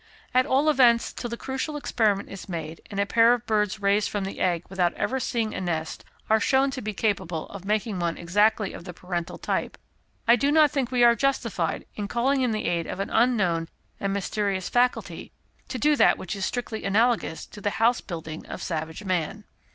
At all events, till the crucial experiment is made, and a pair of birds raised from the egg without ever seeing a nest are shown to be capable of making one exactly of the parental type, I do not think we are justified in calling in the aid of an unknown and mysterious faculty to do that which is so strictly analogous to the house building of savage man.